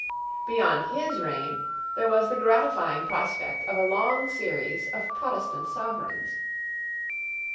Beyond his reign there was the gratifying prospect of a long series of Protestant sovereigns.